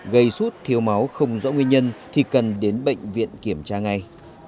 gây suốt thiếu máu không rõ nguyên nhân thì cần đến bệnh viện kiểm tra ngay